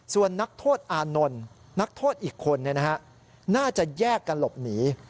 ส่วนนักโทษอานนท์นักโทษอีกคนน่าจะแยกกันหลบหนี